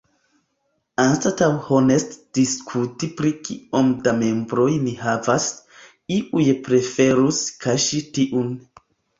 Anstataŭ honeste diskuti pri kiom da membroj ni havas, iuj preferus kaŝi tiun.